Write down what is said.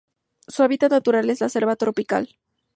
Su hábitat natural es la selva tropical.